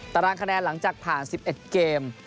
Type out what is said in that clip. ตารางคะแนนหลังจากผ่าน๑๑เกม